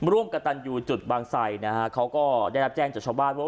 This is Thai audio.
ร่วมกับตันยูจุดบางไสนะฮะเขาก็ได้รับแจ้งจากชาวบ้านว่า